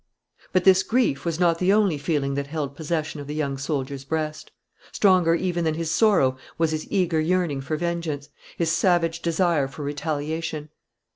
But this grief was not the only feeling that held possession of the young soldier's breast. Stronger even than his sorrow was his eager yearning for vengeance, his savage desire for retaliation.